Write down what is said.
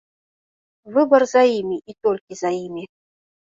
Выбар за імі і толькі за імі.